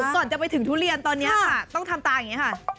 ก่อนจะไปถึงทุเรียนตอนนี้ค่ะต้องทำตาอย่างนี้ค่ะ